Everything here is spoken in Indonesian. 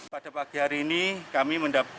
pada pagi hari ini kami mendapatkan